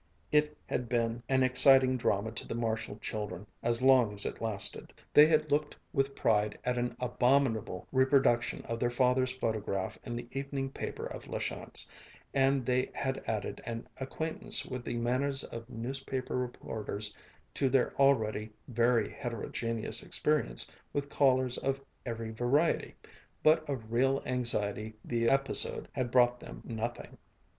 It had been an exciting drama to the Marshall children as long as it lasted. They had looked with pride at an abominable reproduction of their father's photograph in the evening paper of La Chance, and they had added an acquaintance with the manners of newspaper reporters to their already very heterogeneous experience with callers of every variety; but of real anxiety the episode had brought them nothing.